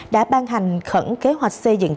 đã ban hành khẩn kế hoạch xây dựng